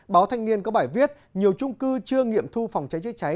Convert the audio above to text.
báo thanh niên có bài viết nhiều trung cư chưa nghiệm thu phòng cháy chữa cháy